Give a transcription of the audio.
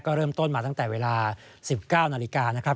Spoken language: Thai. เริ่มต้นมาตั้งแต่เวลา๑๙นาฬิกานะครับ